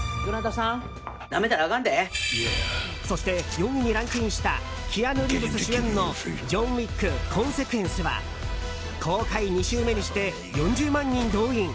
そして４位にランクインしたキアヌ・リーブス主演の「ジョン・ウィック：コンセクエンス」は公開２週目にして４０万人動員。